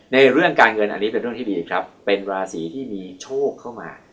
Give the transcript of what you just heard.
เรื่องการเงินอันนี้เป็นเรื่องที่ดีครับเป็นราศีที่มีโชคเข้ามา